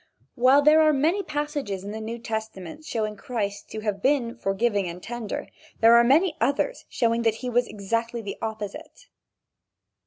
While there are many passages in the New Testament showing Christ to have been forgiving and tender, there are many others, showing that he was exactly the opposite.